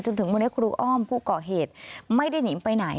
จนถึงบริเวณครูอ้อมผู้เกาะเหตุไม่ได้หนีไปไหน